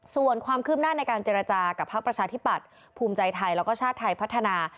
ส่วนความคืบหน้าในการเจรจากับพักประชาธิปัตย์ภูมิใจไทยแล้วก็ชาติไทยพัฒนา